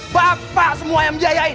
bapak semua yang menjayain